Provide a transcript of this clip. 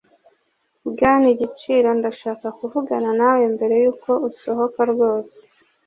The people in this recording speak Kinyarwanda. Bwana Igiciro, ndashaka kuvugana nawe mbere yuko usohoka rwose